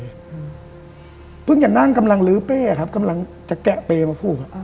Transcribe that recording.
เบื้งจะนั่งกำลังลื้อเป้ครับกำลังจะแกะเป้มาผลูก